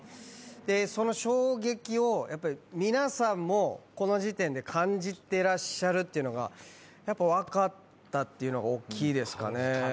その衝撃を皆さんもこの時点で感じてらっしゃるっていうのがやっぱ分かったっていうのが大きいですかね。